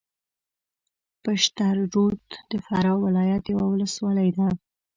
پشترود د فراه ولایت یوه ولسوالۍ ده